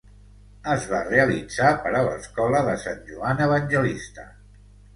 Es va realitzar per a l'Escola de Sant Joan Evangelista.